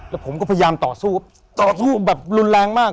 แล้วผมก็พยายามต่อสู้ต่อสู้แบบรุนแรงมาก